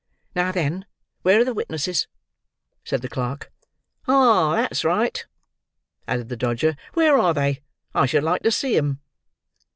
"Now then, where are the witnesses?" said the clerk. "Ah! that's right," added the Dodger. "Where are they? I should like to see 'em."